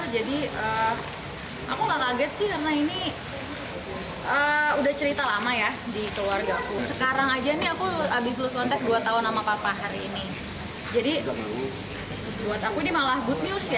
jadi buat aku ini malah good news